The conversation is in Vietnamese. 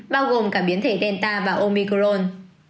bao gồm cả biến thể delta và omicron